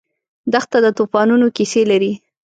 دښته د توفانونو کیسې لري.